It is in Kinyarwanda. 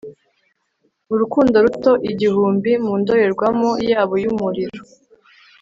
Urukundo ruto igihumbi mu ndorerwamo yabo yumuriro